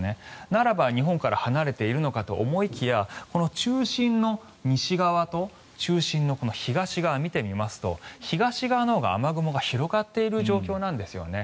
ならば、日本から離れているのかと思いきやこの中心の西側と中心の東側を見てみますと東側のほうが雨雲が広がっている状況なんですよね。